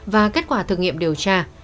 và kết quả thực nghiệm điều tra